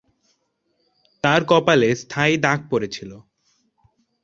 তাঁর কপালে স্থায়ী দাগ পড়েছিল।